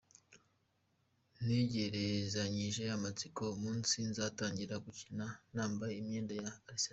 Ntegerezanyije amatsiko umunsi nzatangira gukina nambaye imyenda ya Arsenal.